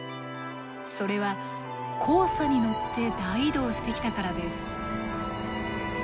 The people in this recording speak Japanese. それは黄砂に乗って大移動してきたからです。